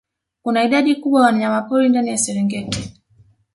Kuna idadi kubwa ya wanyamapori ndani ya Serengeti